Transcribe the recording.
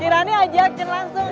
kirani ajakin langsung